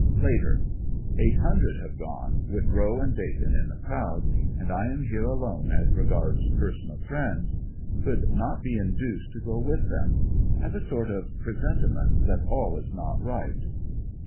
Later — Eight hundred have gone, with Rowe and Dakin in the crowd, and I am here alone as regards personal friends. Could not be induced to go with them . Have a sort of presenti ment that all is not right.